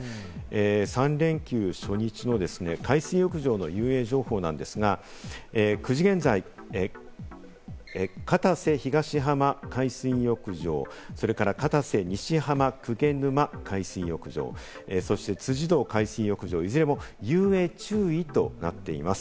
三連休初日の海水浴場での遊泳情報なんですが、９時現在、片瀬東浜海水浴場、それから片瀬西浜・鵠沼海水浴場、そして辻堂海水浴場、いずれも遊泳注意となっています。